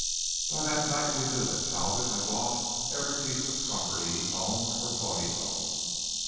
By that night we knew that Talbot had lost every piece of property he owned or thought he owned.